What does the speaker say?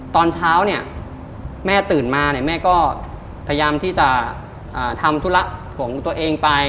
ตอนเช้าเนี่ยแม่ตื่นมาเนี่ยแม่ก็พยายามที่จะทำธุระของตัวเองไป